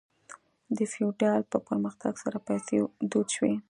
د فیوډالیزم په پرمختګ سره پیسې دود شوې.